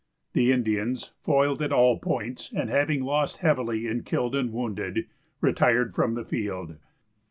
The Indians, foiled at all points, and having lost heavily in killed and wounded, retired from the field.